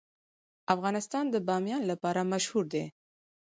افغانستان د بامیان لپاره مشهور دی.